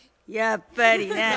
やっぱりな。